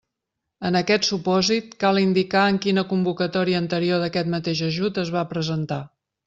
En aquest supòsit, cal indicar en quina convocatòria anterior d'aquest mateix ajut es va presentar.